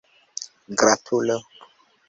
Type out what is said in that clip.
gratulo